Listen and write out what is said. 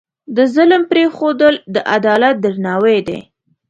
د ظلم پرېښودل، د عدالت درناوی دی.